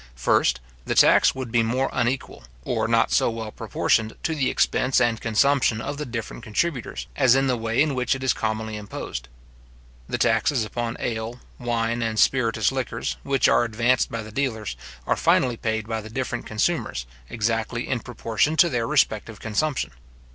First, the tax would be more unequal, or not so well proportioned to the expense and consumption of the different contributors, as in the way in which it is commonly imposed. The taxes upon ale, wine, and spiritous liquors, which are advanced by the dealers, are finally paid by the different consumers, exactly in proportion to their respective consumption.